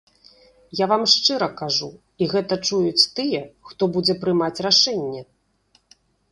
Я вам шчыра кажу, і гэта чуюць тыя, хто будзе прымаць рашэнне.